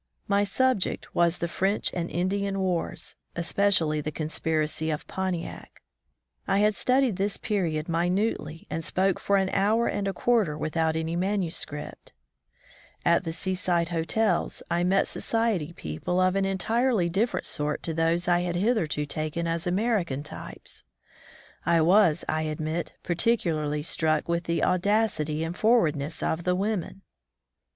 My subject was the French and Indian wars, especially the conspiracy of Pontiac. I had studied this period minutely and spoke for an hour and a quarter without any manuscript. At the seaside hotels, I met society people 72 Mrs. Frank Wood, of Boston. Eastman's " White Mother." College lAfe in the East of an entirely diflferent sort to those I had hitherto taken as American types. I was, I admit, particularly struck with the audac ity and forwardness of the women.